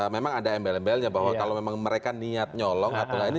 memang ada embele embelnya bahwa kalau memang mereka niat nyolong atau lainnya